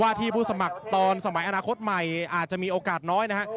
ที่ผู้สมัครตอนสมัยอนาคตใหม่อาจจะมีโอกาสน้อยนะฮะ